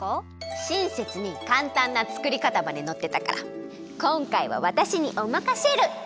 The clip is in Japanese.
しんせつにかんたんなつくりかたまでのってたからこんかいはわたしにおまかシェル！